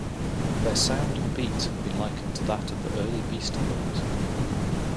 Their sound and beats have been likened to that of the early Beastie Boys.